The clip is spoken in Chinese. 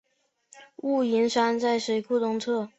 雾灵山在水库东侧。